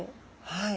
はい。